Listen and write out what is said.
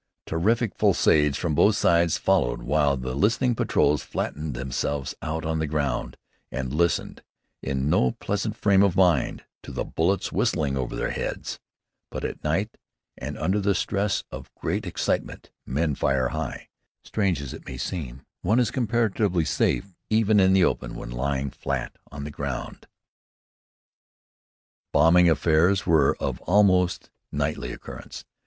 Terrific fusillades from both sides followed while the listening patrols flattened themselves out on the ground, and listened, in no pleasant frame of mind, to the bullets whistling over their heads. But at night, and under the stress of great excitement, men fire high. Strange as it may seem, one is comparatively safe even in the open, when lying flat on the ground. Bombing affairs were of almost nightly occurrence.